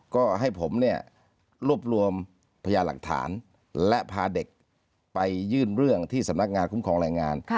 ก็ให้ผมเนี่ยรวบรวมพยาหลักฐานและพาเด็กไปยื่นเรื่องที่สำนักงานคุ้มครองแรงงาน